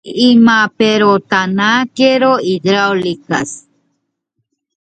Se especializó en Secciones Hidráulicas.